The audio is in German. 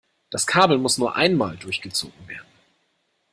Das Kabel muss nur einmal durchgezogen werden.